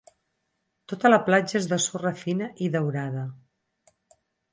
Tota la platja és de sorra fina i daurada.